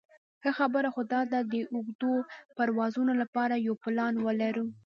ښه خبره خو داده د اوږدو پروازونو لپاره یو پلان ولرو.